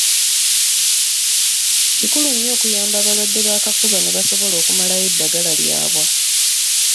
Kikulu nnyo okuyamba abalwadde b’akafuba ne basobola okumalayo eddagala lyabwe.